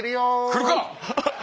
来るかっ！